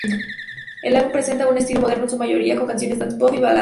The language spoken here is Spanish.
El álbum presenta un estilo moderno en su mayoría con canciones Dance-Pop y baladas.